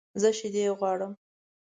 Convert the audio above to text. زه شیدې غواړم